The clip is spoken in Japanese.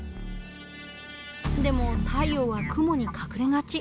でも太陽は雲に隠れがち。